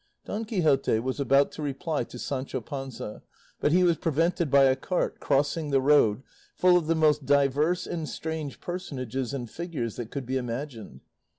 Don Quixote was about to reply to Sancho Panza, but he was prevented by a cart crossing the road full of the most diverse and strange personages and figures that could be imagined.